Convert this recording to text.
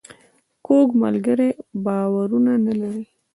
کوږ ملګری باور نه لري